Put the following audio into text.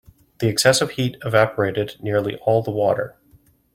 The excessive heat evaporated nearly all the water.